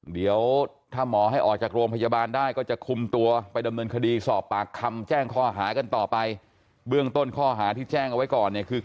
เดี๋ยวกำเวนก็เจอเขาเองเนี่ย